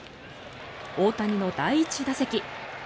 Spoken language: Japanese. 大谷の第１打席。